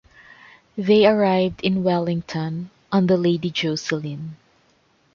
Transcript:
They arrived in Wellington on the "Lady Jocelyn".